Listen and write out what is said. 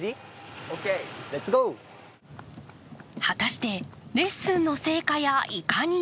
果たしてレッスンの成果やいかに？